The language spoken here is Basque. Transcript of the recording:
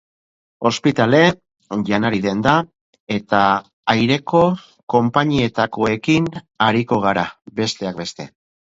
Ospitale, janari denda, eta aireko konpainietakoekin ariko gara, besteak beste.